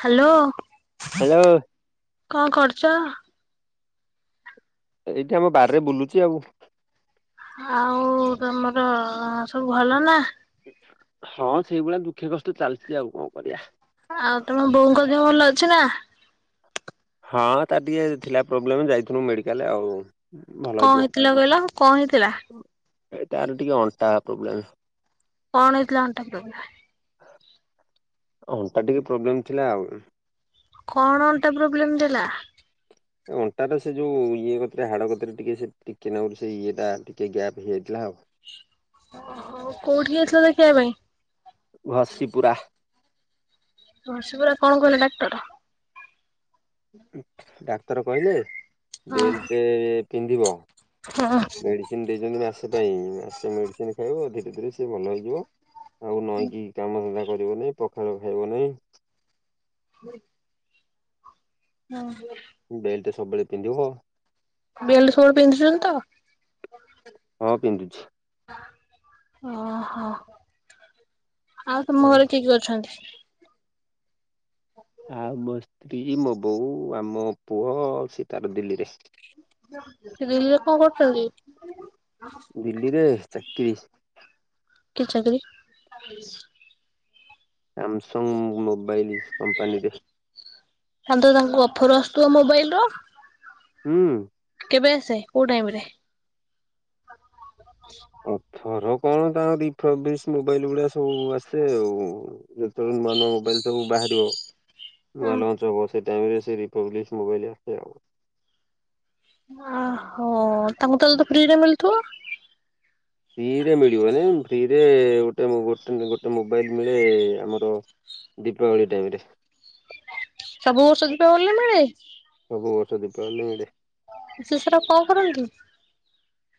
Hello. Hello କଣ କରୁଚ? ଏଇଠି ଆମ ବାରିରେ ବୁଲୁଛି ଆଉ। ଆଉ ତମର ସବୁ ଭଲ ନା? ହଁ ସେଇଭଳିଆ ଦୁଃଖେ କଷ୍ଟେ ଚାଲିଛି ଆଉ କଣ କରିବା। ଆଉ ତମ ବୋଉଙ୍କ ଦେହ ଭଲ ଅଛି ନା? ହଁ ତାର ଟିକେ ଥିଲା ପ୍ରୋବ୍ଲେମ ଯାଇଥିଲୁ ମେଡ଼ିକାଲ ଆଉ। ଭଲ କଣ ହେଇଯିବ। ହେଇଥିଲା କହିଲ କଣ ହେଇଥିଲା? ଏ ତାର ଟିକେ ଅଣ୍ଟା ପ୍ରୋବ୍ଲେମ। କଣ ହେଇଥିଲା ଅଣ୍ଟା ପ୍ରୋବ୍ଲେମ? ଅଣ୍ଟା ଟିକେ ପ୍ରୋବ୍ଲେମ ଥିଲା ଆଉ। କଣ ଅଣ୍ଟା ପ୍ରୋବ୍ଲେମ ଥିଲା? ଏ ଅଣ୍ଟାଟା ସେ ଯୋଉ ଇଏ କତିରେ ହାଡ କତିରେ ଟିକେ ସେ ଟିକେ ନାକୁରୁ ସେଇ ଇଏ ଟା ଟିକେ ଗ୍ୟାପ୍ ହେଇଯାଇଥିଲା ଆଉ। ଓହୋ କୋଉଠି ଯାଇଥିଲ ଦେଖିବା ପାଇଁ? ଘସିିପୁରା, ଘଶିପୁରା କଣ କହିଲା ଡାକ୍ତର? ଡାକ୍ତର କହିଲେ, ହଁ ବେଲଟ ପିନ୍ଧିବ ହଁ ମେଡିସିନ ଦେଇଛନ୍ତି ମା ସେ ପାଇଁ ମାସେ ମେଡ଼ିସିନ ଖାଇବ ଅଧିକ ସେଥିରେ ସିଏ ଭଲ ହେଇଯିବ, ଆଉ ନଈଁ କିି କାମ ଧନ୍ଦା କରିବ ନାାଇଁ ପଖାଳ ଖାଇବ ନାହିଁ, ନ ହଁ, ବେଲ୍ଟ ସବୁବେଳେ ପିନ୍ଧିବ, ବେଲଟ ସବୁବେଳେ ପିନ୍ଧୁଛନ୍ତି ତ, ହଁ ପିନ୍ଧୁଛି, ଓ ହୋ, ଆଉ ତମ ଘରେ କିଏ କିଏ ଅଛନ୍ତି? ଆଉ ମୋ ସ୍ତ୍ରୀ ମୋ ବୋଉ ଆଉ ମୋ ପୁଅ ସେ ତାର ଦିଲ୍ଲୀରେ। ସେ ଦିଲ୍ଲୀରେ କଣ କରୁଛନ୍ତି? ଦିଲ୍ଲୀରେ ଚାକିରି। କି ଚାକରି? Samsung mobile. କମ୍ପାନୀରେ ତାହେନେ ତାଙ୍କୁ ଅଫର ଆସୁ ଥିବେ ମୋବାଇଲ ର। ହୁଁ। କେବେ ଆସେ କୋଉ ଟାଇମରେ? ଅଫର କଣ ତାଙ୍କର ଦ ମୋବାଇଲ ଗୁଡଆ ସବୁ ଆସେ ଆଉ ଯେତେବେଳେ ନୂଆ ନୂଆ ମୋବାଇଲ ସବୁ ବାହାରିବ ନୂଆ ରେ? ଲଞ୍ଚ ହବ ସେ କାଇମରେ ସେ ରିପବ୍ଲିିକ ମୋବାଇଲ ଆପ ସେ ଆ ଓହୋ ତାଙ୍କୁ ତାହେଲେ ତ ଫ୍ରିରେ ମିଳୁଥିବ? ଫ୍ରିରେ ମିଳିବନି ଫ୍ରିରେ ଗୋଟେ ଗୋଟେ ମୋବାଇଲ ମିଳେ ଆମର ଦୀପାବଳି ଟାଇମରେ। ସବୁ ବର୍ଷ ଦୀପାବଳିରେ ମିଳେ? ସବୁ ବର୍ଷ ଦୀପାବଳିରେ ମିଳେ। ସେ ସେରା କଣ କରନ୍ତି?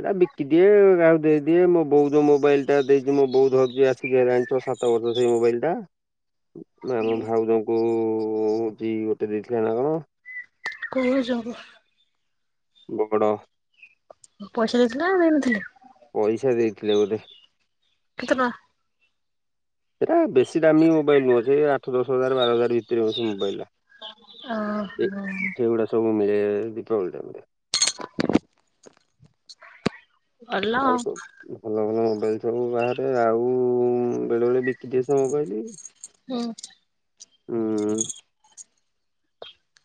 ଏଇଟା ବିକି ଦିଏକୁ କାହାକୁ ଦେଇଦିଏ ମୋ ବୋଉ ଯୋଉ ମୋବାଇଲଟା ଦେଇଛି ମୁଁ ବହୁତ ଭାବଛି ଆସିକି ସାତ ବର୍ଷ ସେଇ ମୋବାଇଲ ଟା। ନାଇଁ ମୋ ଭାଉଜଙ୍କୁ ଉଁ ହୋଉଛି ଗୋଟେ ଦେଇଥିଲେ ନା କଣ? କୋଉ ଭାଉଜଙ୍କୁ? ମୋ‌ ବଡ଼। ପଇସା ଦେଇଥିଲେ [unintelligible] ପଇସା ଦେଇଥିଲେ ବୋଧେ? କେତେ ଟଙ୍କା ସେଇଟା ବେଶୀ ଦାମୀ ମୋବାଇଲ ନୁହଁ ସେଇ ଆଠ ଦଶ ହଜାର ବାର ହଜାର ଭିତରେ ହଉଛି ମୋବାଇଲଟା ଓହୋ ଭୂମିରେ ଦୀପାବଳି ଟାଇମ୍ ରେ ଭଲ ଆଉ ଆଉକୁ ଭଲ ଭଲ କ ସବୁ ବାହାରେ ଆଉ ବେଳେ ବେଳେ ବିକିଦିଏ ସେ ମୋବାଇଲି ହୁଁ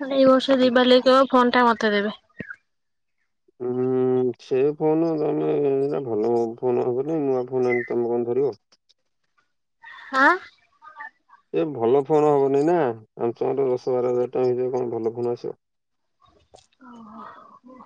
ତାହେଲେ ଏଇ ବର୍ଷ ଦୀବାଲିରେ ତ ଫୋନ ଟା ମତେ ଦେବେ। ହୁଁ ସେ ଫୋନ ତମେ ଭଲ ଫୋନ ଆବନ ନୂଆ ଫୋନ ଆଣ ତମେ କଣ ଧରିବ? ଆ ଏ ଭଲ ଫୋନ ହବନି ନା ଆମଙ୍କର ଦଶ ବାର ହଜାର ଟଙ୍କା ଭିତରେ କଣ ଭଲ ଫୋନ ଆସିବ। ଓୋ ହୋ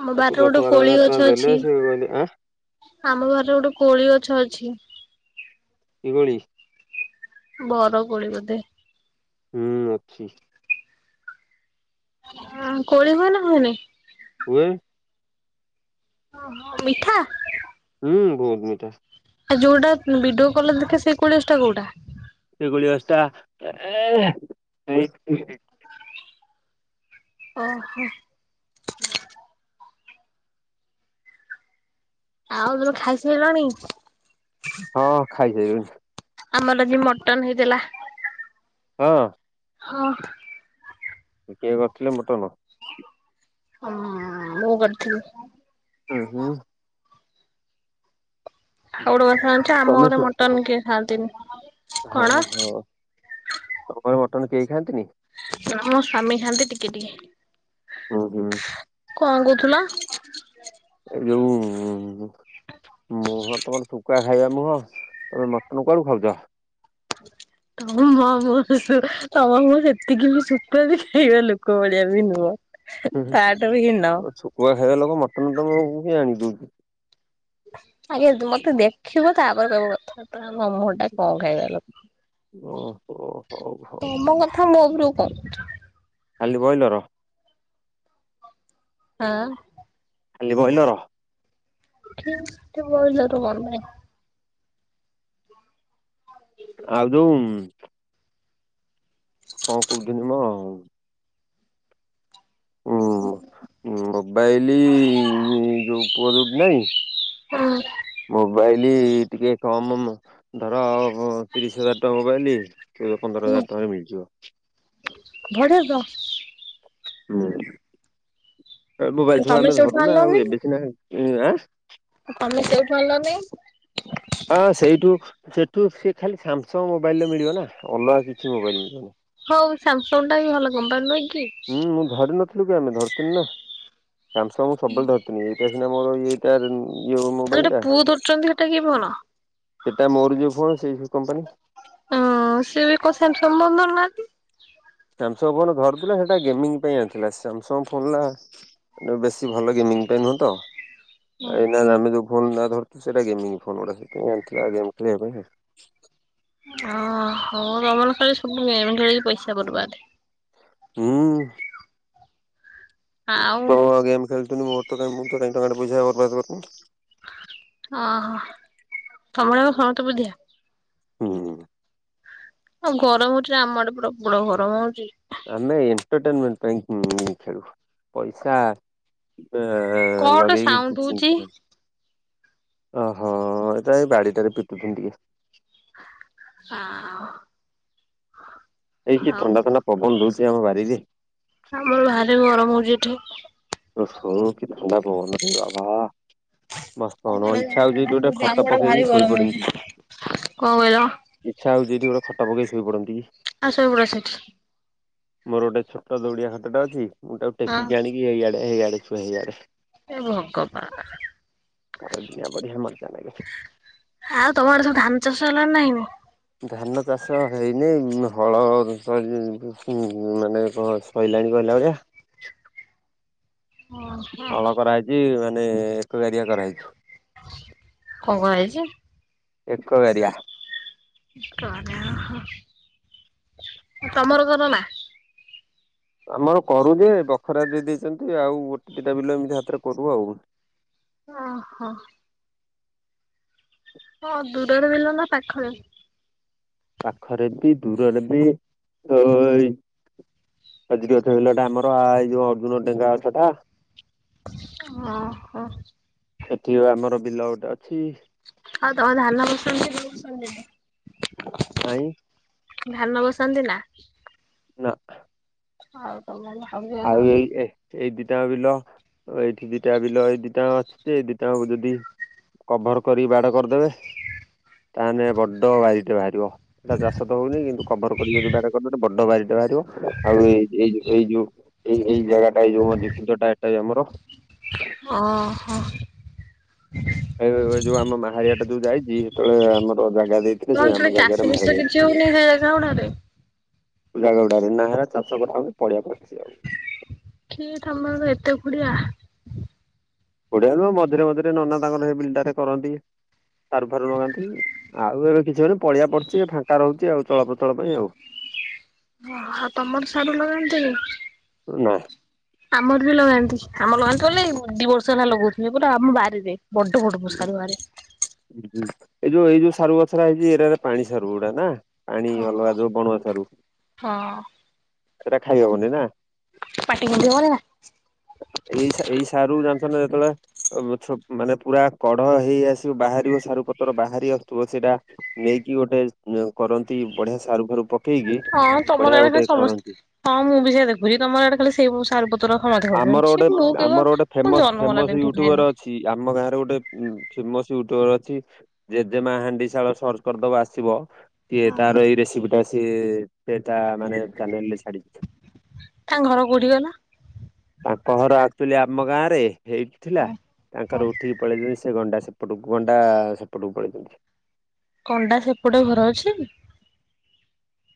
ଆମ ତାକୁ ବାହରେ ଦଶ ଗୋଟେ ବାର କୋଳି ହଜାର ଟଙ୍କା ଗଛ ଦେଲେ ଅଛି ସେ କହିଲେ ଆଁ ଆମ ବାରିରେ ଗୋଟେ କୋଳି ଗଛ ଅଛି। ହୁଗୁଳୀ ବରକୋଳି ବୋଧେ? ହୁଁ ଅଛି। ହଁ କୋଳି ହୁଏ ନା ହୁଏନି? ହୁଏ। ଓହୋ ମିଠା ହୁଁ ବହୁତ ମିଠା। ଆଉ ଯୋଉଟା ଭିଡିଓ କଲରେ ଦେଖେ ସେଇ କୋଳି ଏସ ଟା କୋଉଟା? ସେ କୋଳି ବସ୍ତା ଏ ଓହୋ ଆଉ ତୋର ଖାଇସାଇଲଣି? ହଁ ଖାଇସାରିଲୁଣି। ଆମର ଆଜି ମଟନ ହେଇଥିଲା। ହଁ ହଁ କିଏ କରିଥିଲେ ମଟନ ହଁ ମୁଁ କରିଥିଲି ହୁଁ ହୁଁ ଆଉ ଗୋଟେ କଥା ଜାଣିଚ ଆମ ତମେ ଘରେ ଶୁକୁ ମଟନ୍ କିଏ ଖାଆନ୍ତିନି। ହଁ କଣ ହଁ ତମ ଘରେ ମଟନ ମଟନ କେହି ଖାଆନ୍ତିନି? ନା ମୋ ସ୍ୱାମୀ ଖାଆନ୍ତି ଟିକେ ଟିକେ। ଉଁ ହୁଁ କଣ କହୁଥିଲ? ଏ ଯୋଉ ମୁହଁ ତମର ଶୁଖୁଆ ଖାଇବା ମୁହଁ ତମେ ମଟନ କଆଡୁ ଖାଉଛ? ତମ [unintelligible] ତମ ମୁହଁ ସେତିକି ବି ଶୁଖୁଆ ବି ଖାଇବା ଲୋକଭଳିଆ ବି ନୁହଁ। ତାଠୁ ବି ହୀନ। ଶୁଖୁଆ ଖାଇବା ଲୋକ ମଟନ ତମକୁ କିଏ ଆଣିକି ଦଉଛି? ଆଗେ ମତେ ଦେଖିବ ତାପରେ କହିବ କଥାବାର୍ତ୍ତା। ଆଉ ମୋ ମୁଁହଟା କଣ ଖାଇବା ଓହୋ ଲୋକ, ହଉ ହଉ ତମ କଥା ମୋ ଉପରୁ [inaudible] ଖାଲି ବଏଲର ହଁଅଅ ଖାଲି ବଏଲର [inaudible] ବଏଲର କଣ ପାଇଁ? ଆଉ ଯୋଉଁ କଣ କହୁଥିଲି ମ ଆଉ ହୁଁ ମୋବାଇଲ ଯୋଉ ପୁଅ ଯୋଉଠି ନାହିଁ ହୁଁ। ମୋବାଇଲ ଇଲି ଟିକେ କମ୍ ମ ଧର ଆ ତିରିଶ ହଜାର ଟଙ୍କା ମୋବାଇଲି କେ ପନ୍ଦର ହଜାର ଟଙ୍କାରେ ମିଳିଯିବ। ବଢିଆ ହୁଁ [inaudible] ତ ମୋବାଇଲ ସବୁ ତମେ ଆମେ ସେଇଠୁ ଧରୁୁନା ଆଣିଲନି ଆଉ ଏବେ ସିନା [unintelligible] ତମେ ସେଉଠୁ ଆଣିଲନି? ହଁ ସେଇଠୁ ସେଠୁ ସେ ଖାଲି ସ୍ୟାମସଙ୍ଗ୍ ମୋବାଇଲ୍ ମିଳିବ ନା ଅଲଗା କିଛି ମୋବାଇଲ୍ ମିଳିବନି। ହଉ ସାମସଙ୍ଗଟା ବି ଭଲ କମ୍ପାନୀ ନୁହଁ କି? ହୁଁ ମୁଁ ଧରି ନଥ୍ [unintelligible] ଧରିଥିଲି ନା। ସାମସଙ୍ଗ୍ ମୁଁ ସବୁବେଳେ ଧରୁଥିଲି ଏଇଟା ସିନା ମୋର ଇଏ [inaudible] [unintelligible] ଆଉ ଯୋଉଟା ମୋବାଇଲଟା, ପୁଅ ଧରୁଛନ୍ତି ସେଟା କି ଭଲ। ସେଟା ମୋର ବି ଫୋନ୍ ସେଇ କମ୍ପାନୀ। ହୁଁ ଉଁ ଉଁ ସେବି କଉ ସାମସଙ୍ଗ୍ [unintelligible] ଧରୁନାହାନ୍ତି। ସାମସଙ୍ଗ୍ ଫୋନ୍ ଧରୁଥିଲା ସେଟା ଗେମିଙ୍ଗ୍ ପାଇଁ ଆଣିଥିଲା ସାମସଙ୍ଗ୍ ଫୋନଟା ବେଶୀ ଭଲ ଗେମିଙ୍ଗ୍ ପାଇଁ ନୁହଁ ତ। ଏଇନା ଆମେ ଯୋଉ ଫୋନଟା ଧରୁ। ସେଇଟା ଗେମିଙ୍ଗ୍ ଫୋନଗୁଡା ସେଥିପାଇଁ ଆଣିଥିଲା ଗେମ୍ ଖେଳିବା ପାଇଁ ହଁଅଅ [unintelligible] ସବୁ ଏମିତି ହେଇ ପଇସା ବରବାଦ୍। ହୁଁ ଉଁ ଉଁ ଆଉ [unintelligible] ଗେମ୍ ଖେଳୁ କିନ୍ତୁ ମୋର ତ କାଇଁ ମୁଁ ତ କାଇଁ ଟଙ୍କାଟେ ପଇସା ବର୍ବାଦ କରିନି। ଅହହ ତମେ ତ ସବୁଠୁ ବୁଦ୍ଧିଆ। ହୁଁଉଉଉ ଆଉ ଗରମ ହଉଛି ନା ଆମ ଆଡେ ପ୍ରବଳ ଗରମ ହଉଚି। ଆମେ ଏଣ୍ଟରଟେନମେଣ୍ଟ ପାଇଁ ଖେଳୁ ପଇସା ଆ କଣ ଗୋଟେ ଲଗେଇକି ସାଉଣ୍ଡୁ କିଛି ହଉଚି। ଓହୋ ଏଟା ଏ ବାଡିଟାରେ ପିଟୁଥୀନିଟିକେ। ହଁ। ଏଇ କି ଥଣ୍ଡା ଥଣ୍ଡା ପବନ ଦଉଛି ଆମ ବାରିରେ। ଆମର ବାହାରେ ଗରମ ହଉଛି ଏଠି। ଓହୋ କି ଥଣ୍ଡା ପବନରେ ବାବା ମସ୍ତ ଆମ କନ ଇଚ୍ଛା ହଉଛିଇଠି ଗୋଟେ ଖଟ ଆଡେ ଭାରି ପକେଇକି ଶୋଇ ଗରମ ହଉଛି। ପଡନ୍ତି କଣ କହିଲ ଇଛା ହଉ ଯଦି ଗୋଟେ ଖଟା ପକେଇକି ଶୋଇପଡନ୍ତି କି। ଆ ଶୋଇପଡ ସେଇଠି। ମୋର ଗୋଟେ ଛୋଟ ଦଉଡିଆ ଖାଟଟେ ଅଛି। ମୁଁ ତାକୁ ହଁ ଟେକିକି ଆଣିକି ଏଇଆ ଏଇଆଡେ ଶୁଏ ଏଇଆଡେ। ଏ ଭଗବାନ ଆଉ ଖରା ଦିନିଆ ବଢିଆ ମଜା ଲାଗେ। ତମ ଆଡେ ସବୁ ଧାନ ଚାଷ ହେଲାଣିନା ହେଇନି। ଧାନ ଚାଷ ହେଇନି ହଳ ମାନେ ସୋଇଲାଣି କହିଲା ଭଳିଆ। ଓହୋ ହଳ କରାହେଇଛି। ମାନେ ଏକ ଏାରଆ କରାଇଛି। କଣ କଣ ହୋଇଛି। ଏକ କରିଆ। ହ ତମର କର ନା। ଆମର କରୁ ଯେ ବଖରା ଦେଇ ଦେଇଛନ୍ତି ଆଉ ଗୋଟେ ଦିଟା ବିଲ ଏମିତି ହାତରେ କରୁ ଆଉ ଓ ହୋ ହଁ ଦୂରରେ ବିଲ ନା ପାଖରେ ପାଖରେ ବି ଦୂରରେ ବି ତ ଏଇ ଆଜି ଗଛ ବିଲଟା ଆମର ଏଇ ଯୋଉ ଅର୍ଜୁନ ଡେଙ୍କା ଗଛ ଟା ଓ ହୋ। ସେଠି ଆମର ବିଲ ଗୋଟେ ଅଛି। ଆଉ ତମର ଧାନ ବୋସୁଅନ୍ତି ନା ବସାନ୍ତିନି। ଆଇଁ ଧାନ ବସନ୍ତି ନା? ନା। ଆଉ ତମ ମାଁ ଆଉ ଏଇ ଦି ଦିଟା ବିଲ ଏଇଠି ଦିଟା ବିଲ ଏଇ ଦିଟାଙ୍କ ଅଛି ଯେ ଦିଟାକୁ ଯଦି କଭର କରିକି ବାଡ଼ କରିଦେବେ ତାହେଲେ ବଡ ବାରିଟେ ବାହାରିବ। ଏଇଟା ଚାଷ ତ ହଉନି କିନ୍ତୁ କଭର କରକି ଯୋଦି ବାଢ଼ କରିଦେଲେ ବଡ ବାରିଟେ ବାହାରିବ ଆଉ ଏଇଉ ଏଇ ଯୋଉ ଏଇ ଏଇ ଜାଗାଟା ଏଇ ଯୋଉ ମଝି ବିଲଟା ଏଟା ଆମର। ଓହୋ। ଏ ଯୋଉ ଆମ ମାହାରିଆ ଟା ଯୋଉ ଯାଇଛି ସେତେବେଳେ ଆମର ଜାଗା ଦେଇଥିଲେ ସେ ତମର ସେଢ଼େ ଆମ ଜାଗାରେ ଚାଷ ବାଷ ମାହାରି କିଛି ହଉନି ସେଇ ଜାଗାଉଢ଼ାରେ। ଜାଗ ଗୁଡରେ ନା ହେରା ଚାଷ କରିଥାନ୍ତୁ ପଢ଼ିଆ ପଢ଼ିଚି ଆଉ। କିଏ ତମର ଏତେ କୁଡିଆ କୋଡ଼ିଆ ମଝିରେ ମଝିରେ ନନା ତାଙ୍କର ସେ ବିଲଟରେ କରନ୍ତି ସାରୁ ଫାରୁ ଲଗାନ୍ତି ଆଉ ଏବେ କିଛିନି ପଳଆ ପଡୁଛି ଫାଙ୍କା ରହୁଛି ଆଉ ଚଳପ୍ରଚଳ ପାଇଁ ଆଉ। ଓଉ ତମର ସାରୁ ଲଗାନ୍ତ କି? ନା। ଆମର ବି ଲଗାନ୍ତି। ଆମ ଲଗାନ୍ତି ତୁ ହେଲେ ଦି ବର୍ଷ ହେଲା ଲାଗୁଛି। ସେ ପଟା ଆମ ବାରିରେ ବଡ ବଡ ସାରୁ ବାହାରେ। ଏ ଯଉ ଏଇ ଯୋଉ ସାରୁ ଗଛର ହେଇଛି ଏଆରା ପାଣି ସାରୁ ଗୁଡା ନା ପାଣି ଅଲଗା ଯୋଉ ବଣଆ ସାରୁ ହଁ ସେଇଟା ଖାଇ ହବନି ନା? ପାଟି କୁଣ୍ଡେଇ ହବନି ନା ଏଇ ଏଇ ସା ସାରୁ ରା ଯେତେବେଳେ ମାନେ ପୁରା କଢ ହେଇ ଆସିବ ବାହାରିବ ସାରୁ ପତ୍ର ବାହାରି ଆସୁଥିବ ସେଇଟା ନେଇକି ଗୋଟେ କରନ୍ତି ବଢିଆ ସାରୁ ଘରୁ ପ ହଁ ତମର ଆଡେ ଖାଲି ସମସ୍ତେ ହଁ ମୁଁ ବି ସେ ଦେଖୁଛି ତମର ଆଡେ ଖାଲି ସେଇ ସ ଆମର ଗୋଟେ ଆମର ଗୋଟେ ମୁଁ ଫେମସ ଜନ୍ମ ହେଲା ଫେମସ ଦିନଠୁ ଖାଇନି ୟୁଟ୍ୟୁବର ଅଛି ଆମ ଗାଁରେ ଗୋଟେ ଫେମସ ୟୁଟୁବର ଅଛି ଯେଜେମା ହାଣ୍ଡି ଶାଳ ସର୍ଚ୍ଚ କରିଦବ ଆସିବ। ଟିଏ ତାର ଏଇ ରେସିପି ଟା ସିଏ। ସେ ତା ମାନେ ଚାନେଲ ରେ ଛାଡିଛି। ତାଙ୍କ ଘର କୋଉଠି କହିଲ? ତାଙ୍କ ଘର ଆକଚୁଲି ଆମ ଗାଁରେ ହେଇଟି ଥିଲା ଓହୋ। ତାଙ୍କର ଉଠିକି ପଳେଇଲେଣିି ସେ ଗଣ୍ଡା ସେପ ସେପଟକୁ ଗଣ୍ଡା ସେପଟକୁ ପଳେଇଚନ୍ତି। କଣ୍ଡା ସେପଟେ ଘର ଅଛି।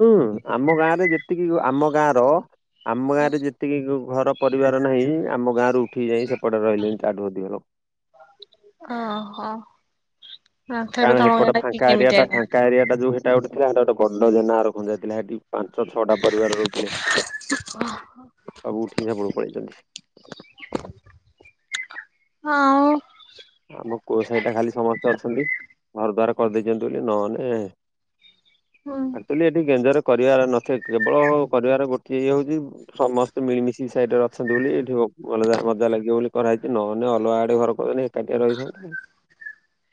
ହୁଁ ଆମ ଗାଁ ରେ ଯେତିକି ଗ ଆମ ଗାଁ ର ଆମ ଗାଁରେ ଯେତିକି ଗୁ ଘର ପରିବାର ନାହିଁ ଆମ ଗାଁ ରୁ ଠି ଯାଇ ସେପଟ ରହିଲେଣି ତା ଠୁ ଅଧିକ ଲୋକ। ଅ ହ କାରଣ ହେପଟ ଫାଙ୍କା ଏରିଆଟା ଫାଙ୍କା ଏରିଆଟା ଯୋଉ ସେଟା ଗୋଟେ ଥିଲା ସେଟା ଗୋଟେ ଗଣ୍ଡ ଜେନା ଘର ଖଞ୍ଜା ଥିଲା ହେଠି ପାଞ୍ଚ ଛଅଟା ପରିବାର ରହୁଥିଲେ ସବୁ ଉଠିିକି ସେପଟକୁ ପଳେଇଛନ୍ତି। ଆଉ। ଆମ କୁଅ ସେଇଟା ଖାଲି ସମସ୍ତେ ଅଛନ୍ତି ଘର ଦୂଆର କରିଦେଇଛନ୍ତି ବୋଲି ନହେଲେ ହୁଁ। ଆକଚୁଆଲି ଏଠି ଗେଞ୍ଜ ରେ କରିବାର ନଥାଏ କେବଳ କରିବାର ଗୋଟିଏ ଇଏ ହେଉଛି ସମସ୍ତେ ମିଳିମିଶି ସାଇଡ଼ରେ ଅଛନ୍ତି ବୋଲି ଏଠି ମ ଅଲଗା ମଜା ଲାଗିବ ବୋଲି କରାହେଇଛି ନହେଲେ ଅଲଗା ଆଡ଼େ ଘର କରି କାଟିଆ ରହିଥାନ୍ତେ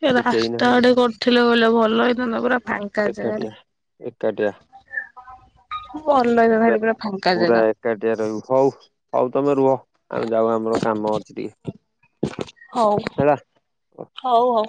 ସେ କେହି ରାସ୍ତା ନାହାନ୍ତି ଆଡେ କରିଥିଲେ ବୋଇଲେ ଭଲ ହେଇଥାନ୍ତା ପୁରା ଫାଙ୍କା ଜାଗାରେ ଏକାଟିଆ ଭଲ ହେଇଥାନ୍ତା ସେଠି ପୁରା ଫାଙ୍କା ପୁରା ଜାଗା ଏକାଠିଆ ରହିବୁ ହଉ ହଉ ତମେ ରୁହ ଆମେ ଯାଉ ଆମର କାମ ଅଛି ଟିକେ [inaudible] ହଉ ହେଲା। ହଉ ହଉ